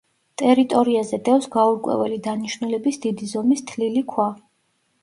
ტერიტორიაზე დევს გაურკვეველი დანიშნულების დიდი ზომის თლილი ქვა.